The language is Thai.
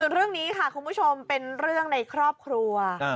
เรื่องนี้ค่ะคุณผู้ชมเป็นเรื่องในครอบครัว